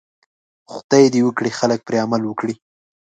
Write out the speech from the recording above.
خدای دې وکړي خلک پرې عمل وکړي.